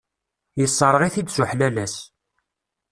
Yesserɣ-it-id s uḥlalas.